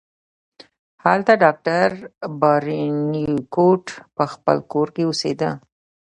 هلته ډاکټر بارنیکوټ په خپل کور کې اوسیده.